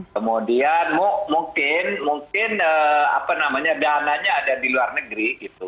kemudian mungkin mungkin apa namanya dananya ada di luar negeri